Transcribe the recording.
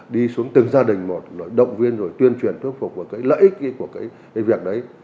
đi xuống từng gia đình một rồi động viên rồi tuyên truyền thuyết phục vào cái lợi ích của cái việc đấy